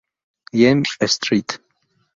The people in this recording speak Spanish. James's Street.